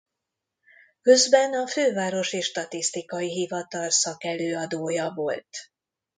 Közben a Fővárosi Statisztikai Hivatal szakelőadója volt.